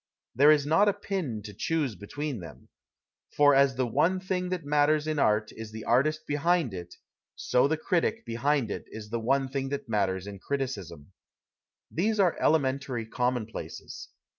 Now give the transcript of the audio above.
There is not a pin to choose between them. For as the one thing that matters in art is the artist behind it, so the critic behind it is the one thing that matters in criticism. These are elementary commonplaces.